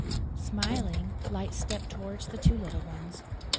Smiling, Light stepped towards the two little ones.